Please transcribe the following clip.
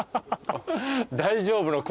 大丈夫の黒。